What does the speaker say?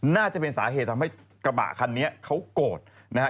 น่าจะเป็นสาเหตุทำให้กระบะคันนี้เขาโกรธนะฮะ